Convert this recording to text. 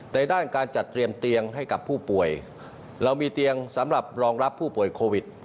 ด้านการจัดเตรียมเตียงให้กับผู้ป่วยเรามีเตียงสำหรับรองรับผู้ป่วยโควิด